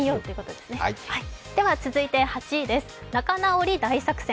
続いて８位です、仲直り大作戦。